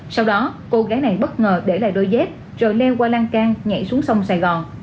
sau đó cô gái này bất ngờ để lại đôi dép rồi leo qua lan can nhảy xuống sông sài gòn